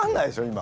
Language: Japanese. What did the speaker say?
今。